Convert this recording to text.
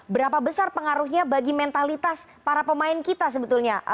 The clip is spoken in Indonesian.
berapa besar pengaruhnya bagi mentalitas para pemain kita sebetulnya